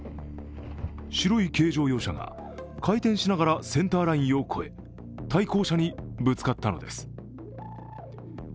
白い軽乗用車が回転しながらセンターラインを超え対向車にぶつかったのです。